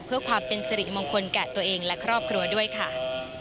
เพื่อความเป็นสิริมงคลแก่ตัวเองและครอบครัวด้วยค่ะ